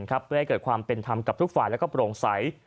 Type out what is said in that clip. ได้เกิดความเป็นธรรมกับทุกฝ่ายและปลงใส